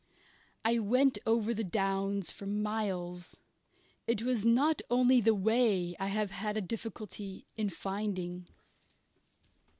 I went over the downs for miles. It is not only the Wey I have had a difficulty in finding.